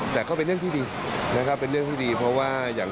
แต่ก็เป็นเรื่องที่ดีนะครับเป็นเรื่องที่ดีเพราะว่าอย่าง